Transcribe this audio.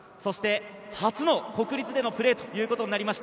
初の国立でのプレーということになりました。